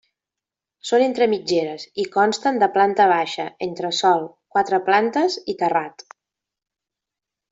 Són entre mitgeres i consten de planta baixa, entresòl, quatre plantes i terrat.